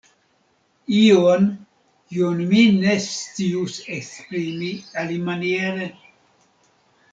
Ion, kion mi ne scius esprimi alimaniere.